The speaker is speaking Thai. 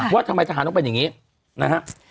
ว่าทำไมทหารต้องเป็นอย่างนี้นะฮะ